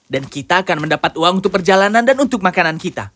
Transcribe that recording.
dan kita akan mendapat uang untuk perjalanan dan untuk makanan kita